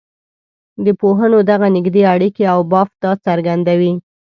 د پوهنو دغه نږدې اړیکي او بافت دا څرګندوي.